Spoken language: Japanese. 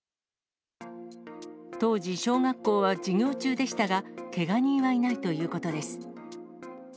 当時、小学校は授業中でしたが、けが人はいないということです。